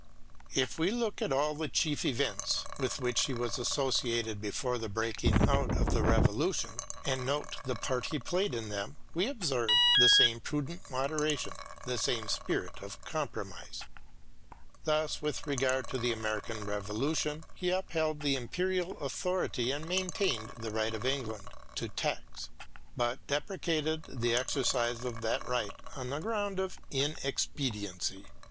If we look at all the chief events with which he was associated before the breaking out of the Revolution and note the part he played in them, we observe the same prudent inoderation, the same spirit of compromise. Thus, with regard to the American Revolution, he upheld the imperial authority and maintained the right of England to tax, but deprecated the exercise bf that right on the ground of inexpedi Edmund burke 57 ency.